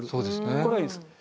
これはいいです。